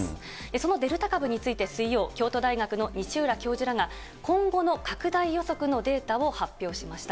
そのデルタ株について水曜、京都大学の西浦教授らが、今後の拡大予測のデータを発表しました。